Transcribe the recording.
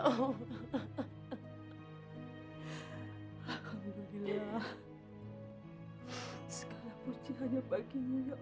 segala puji hanya bagimu ya allah